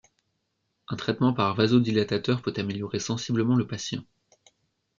Un traitement par vasodilatateurs peut améliorer sensiblement le patient.